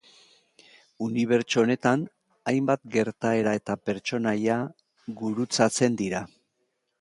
Unibertso honetan, hainbat gertaera eta pertsonaia gurutzatzen dira.